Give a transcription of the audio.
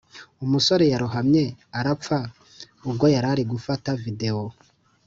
umusore yarohamye arapfa ubwo yari ari gafata video